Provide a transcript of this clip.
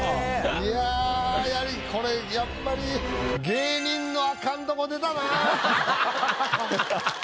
いやこれやっぱり芸人のアカンとこ出たなぁ。